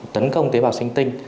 tấn công tế bào sinh tinh